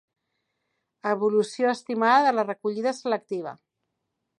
Evolució estimada de la recollida selectiva.